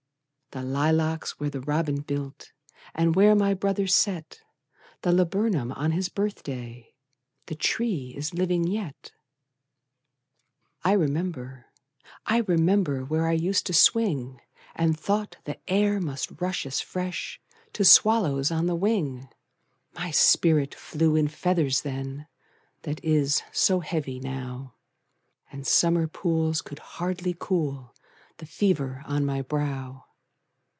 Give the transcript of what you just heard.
The lilacs where the robin built, And where my brother set The laburnum on his birthday, The tree is living yet! I remember, I remember, Where I was used to swing, And thought the air must rush as fresh To swallows on the wing; My spirit flew in feathers then, That is so heavy now, And summer pools could hardly cool The fever on my brow!